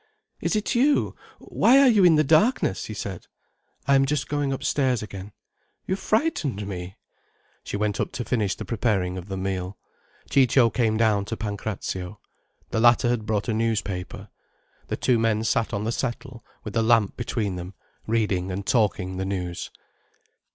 "Is it you? Why are you in the darkness?" he said. "I am just going upstairs again." "You frightened me." She went up to finish the preparing of the meal. Ciccio came down to Pancrazio. The latter had brought a newspaper. The two men sat on the settle, with the lamp between them, reading and talking the news.